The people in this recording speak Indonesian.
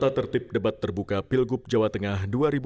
tata tertib debat terbuka pilgub jawa tengah dua ribu delapan belas